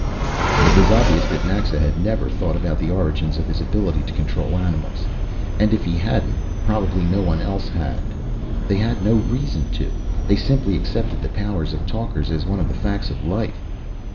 It was obvious that Naxa had never thought about the origin of his ability to control the animals. And if he hadn't probably no one else had. They had no reason to. They simply accepted the powers of talkers as one of the facts of life.